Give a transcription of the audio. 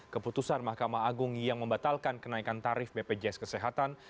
keputusan mahkamah agung yang membatalkan kenaikan tarif bpjs kesehatan